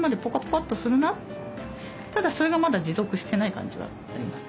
ただそれがまだ持続してない感じはあります。